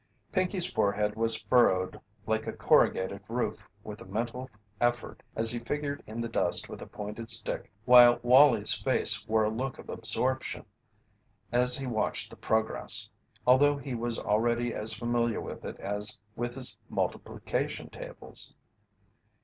Pinkey's forehead was furrowed like a corrugated roof with the mental effort as he figured in the dust with a pointed stick while Wallie's face wore a look of absorption as he watched the progress, although he was already as familiar with it as with his multiplication tables.